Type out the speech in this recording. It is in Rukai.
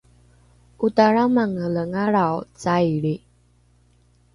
otaramangelengalrao caili